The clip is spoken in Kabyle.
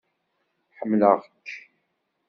Ḥemmleɣ-k!